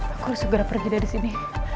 aku harus segera pergi dari sini